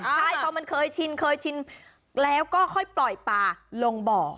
ใช่เขามันเคยชินแล้วก็ค่อยปล่อยปลาลงบ่อ